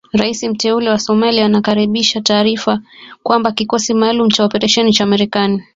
Rais mteule wa Somalia anakaribisha taarifa kwamba kikosi maalum cha operesheni cha Marekani.